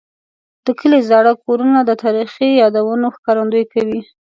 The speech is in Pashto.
د کلي زاړه کورونه د تاریخي یادونو ښکارندوي کوي.